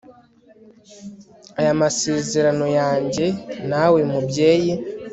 aya masezerano yanjye nawe mubyeyi